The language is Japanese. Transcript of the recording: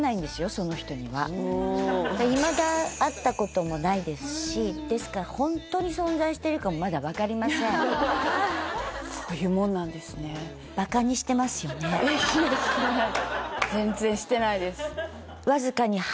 その人にはいまだ会ったこともないですしですからホントに存在してるかもまだ分かりませんいやしてないしてない全然してないです